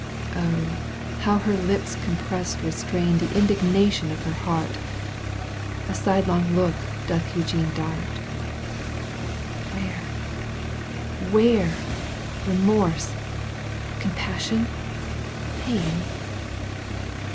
Oh, how her lips compressed restrain The indignation of her heart ! A sidelong look doth Eugene dart : Where, where, remorse, compassion, pain